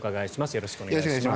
よろしくお願いします。